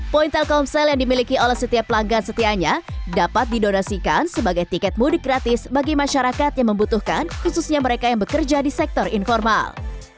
poin telkomsel yang dimiliki oleh setiap pelanggan setianya dapat didonasikan sebagai tiket mudik gratis bagi masyarakat yang membutuhkan khususnya mereka yang bekerja di sektor informal